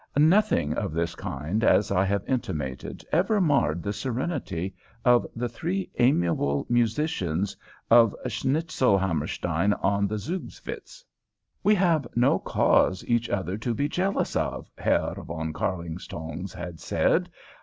Nothing of this kind, as I have intimated, ever marred the serenity of the three amiable musicians of Schnitzelhammerstein on the Zugvitz. "We have no cause each other to be jealous of," Herr von Kärlingtongs had said.